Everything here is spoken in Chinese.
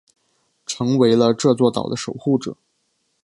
成为了这座岛的守护者。